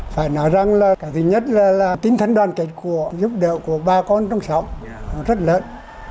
phải nói rằng là cái thứ nhất là tinh thần đoàn kết của giúp đỡ của ba con trong xã hội rất lớn